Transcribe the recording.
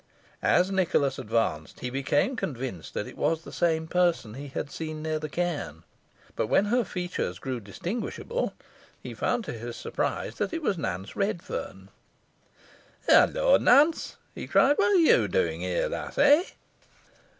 As Nicholas advanced, he became convinced that it was the same person he had seen near the cairn; but, when her features grew distinguishable, he found to his surprise that it was Nance Redferne. "Halloa! Nance," he cried. "What are you doing here, lass, eh?"